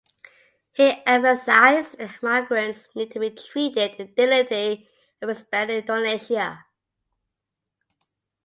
He emphasized that migrants need to be treated with dignity and respect in Indonesia.